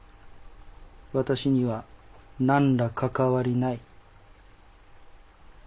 私には何らかかわりない。